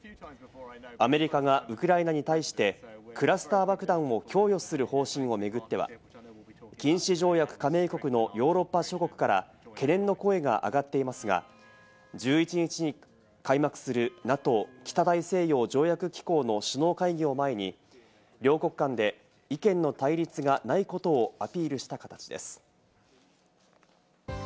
アメリカがウクライナに対してクラスター爆弾を供与する方針を巡っては、禁止条約加盟国のヨーロッパ諸国から懸念の声が上がっていますが、１１日に開幕するＮＡＴＯ＝北大西洋条約機構の首脳会議を前に、両国間で意見の対立がないことをアピールした形です。